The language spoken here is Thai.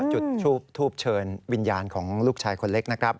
จุดทูบเชิญวิญญาณของลูกชายคนเล็กนะครับ